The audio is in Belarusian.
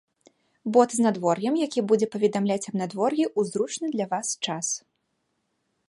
Бот з надвор'ем які будзе паведамляць аб надвор'і ў зручны для вас час.